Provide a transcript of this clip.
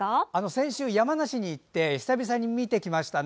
先週、山梨に行って久々に見てきましたね。